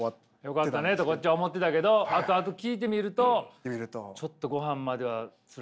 よかったねとこっちは思ってたけど後々聞いてみるとちょっとごはんまではツラかったとか。